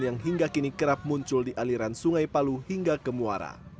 yang hingga kini kerap muncul di aliran sungai palu hingga ke muara